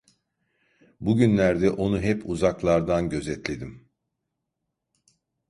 Bugünlerde onu hep uzaklardan gözetledim.